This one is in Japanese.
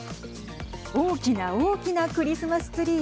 大きな大きなクリスマスツリー。